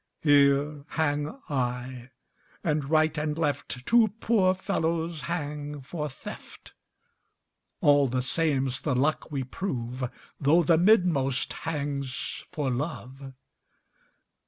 "Here hang I, and right and left Two poor fellows hang for theft: All the same's the luck we prove, Though the midmost hangs for love."